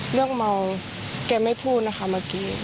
เรื่องเมาแกไม่พูดนะคะเมื่อกี้